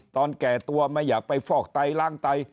แก่ตัวไม่อยากไปฟอกไตล้างไต